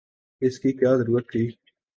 اس کی کیا ضرورت تھی؟